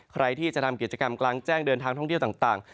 ใครที่จะทำกิจกรรมกลางแจ้งเดินทางท่องเที่ยวต่าง